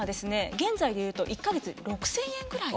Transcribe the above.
現在で言うと１か月６，０００円くらい。